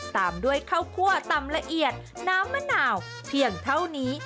ตามด้วยข้าวคั่วตำละเอียดน้ำมะนาวเพียงเท่านี้